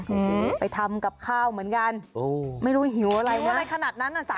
หือไปทำกับข้าวเหมือนกันโอ้ไม่รู้หิวอะไรนะหิวอะไรขนาดนั้นอ่ะ